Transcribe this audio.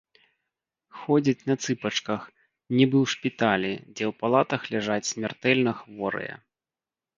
Ходзяць на цыпачках, нібы ў шпіталі, дзе ў палатах ляжаць смяртэльна хворыя.